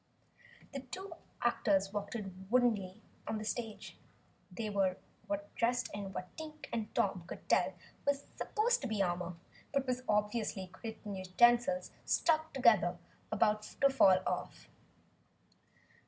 Two actors walked woodenly forward on the stage. They were dressed in what Twink and Tom could tell was supposed to be armor, but was obviously kitchen utensils strung together and about to fall off.